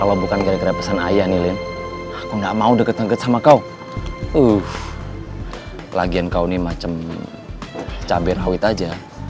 lagiankau ini macam cabai rawit aja